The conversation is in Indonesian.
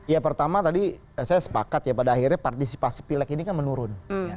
ya pertama tadi saya sepakat ya pada akhirnya partisipasi pileg ini kan menurun